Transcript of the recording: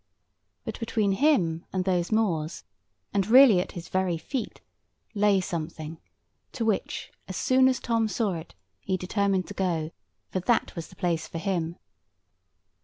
But between him and those moors, and really at his very feet, lay something, to which, as soon as Tom saw it, he determined to go, for that was the place for him.